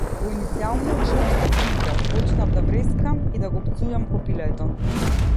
По иницијалниот шок, се прибрав, почнав да врескам и да го пцујам копилето.